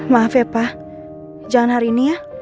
maaf ya pak jangan hari ini ya